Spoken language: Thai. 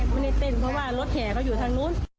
ก็ถึงถึง